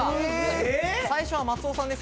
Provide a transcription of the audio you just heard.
最初は松尾さんです。